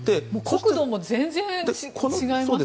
国土も全然違います